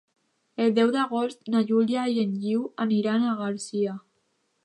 El deu d'agost na Júlia i en Guiu aniran a Garcia.